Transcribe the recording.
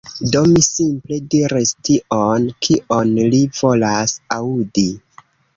Do mi simple diris tion, kion li volas aŭdi.